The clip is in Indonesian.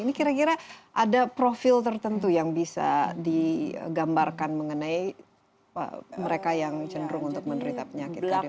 ini kira kira ada profil tertentu yang bisa digambarkan mengenai mereka yang cenderung untuk menderita penyakit kardio